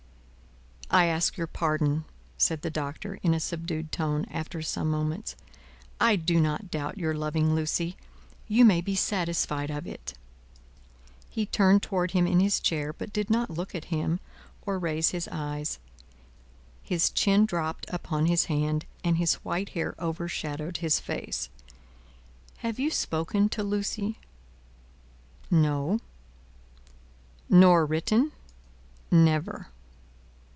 "I ask your pardon," said the Doctor, in a subdued tone, after some moments. "I do not doubt your loving Lucie; you may be satisfied of it." He turned towards him in his chair, but did not look at him, or raise his eyes. His chin dropped upon his hand, and his white hair overshadowed his face: "Have you spoken to Lucie?" "No." "Nor written?" "Never."